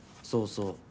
そうそう。